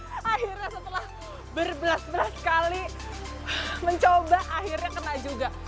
akhirnya setelah berbelas belas kali mencoba akhirnya kena juga